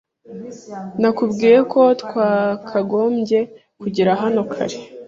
Nakubwiye ko twakagombye kugera hano kare.